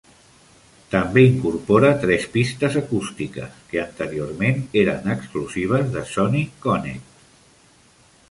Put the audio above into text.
També incorpora tres pistes acústiques, que anteriorment eren exclusives de Sony Connect.